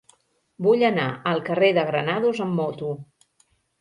Vull anar al carrer de Granados amb moto.